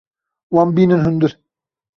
Wan bînin hundir.